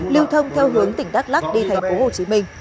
lưu thông theo hướng tỉnh đắk lắc đi tp hcm